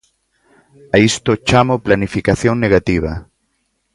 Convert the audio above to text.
A isto chamo planificación negativa.